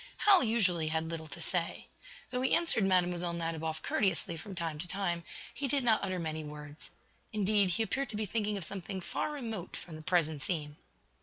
Hal usually had little to say. Though he answered Mlle. Nadiboff courteously from time to time, he did not utter many words. Indeed, he appeared to be thinking of something far remote from the present scene.